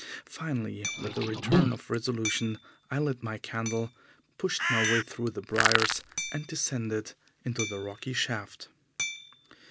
Finally, with a return of resolution, I lit my candle, pushed my way through the briars, and descended into the rocky shaft.